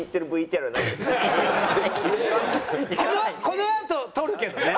このあと撮るけどね。